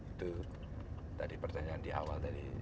itu tadi pertanyaan di awal tadi